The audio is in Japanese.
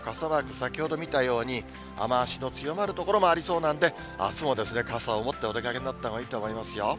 先ほど見たように、雨足の強まる所もありそうなんで、あすも傘を持ってお出かけになったほうがいいと思いますよ。